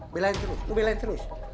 belain terus lo belain terus